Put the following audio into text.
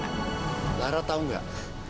ada yang tahu gak